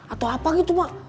atau apa gitu emak